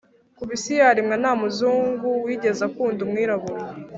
kuva isi yaremwa nta muzungu wigeze akunda umwirabura